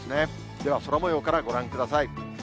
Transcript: では、空もようからご覧ください。